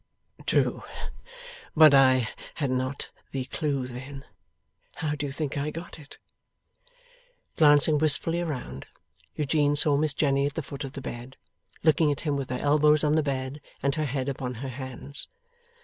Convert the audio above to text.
'True. But I had not the clue then. How do you think I got it?' Glancing wistfully around, Eugene saw Miss Jenny at the foot of the bed, looking at him with her elbows on the bed, and her head upon her hands.